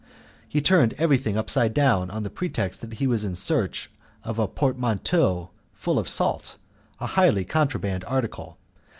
He turned everything upside down, on the pretext that he was in search of a portmanteau full of salt a highly contraband article.